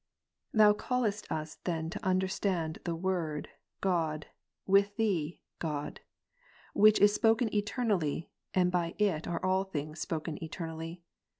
] 9. Thou callest us then to understand the Word, *• God with Thee God, Which is spoken eternally, and by It are all things spoken eternally.